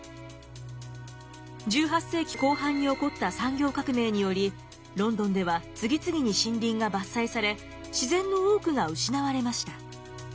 １８世紀後半に起こった産業革命によりロンドンでは次々に森林が伐採され自然の多くが失われました。